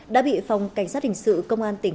đã bị phòng cảnh sát hình sự công an tp hcm